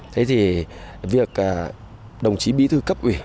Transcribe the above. thế thì việc đồng chí bí thư cấp ủy